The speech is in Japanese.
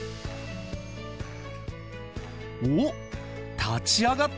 おっ立ち上がったぞ。